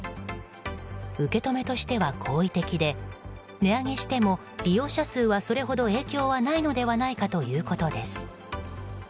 受け止めとしては好意的で値上げしても利用者数はそれほど影響はないのではないかということです。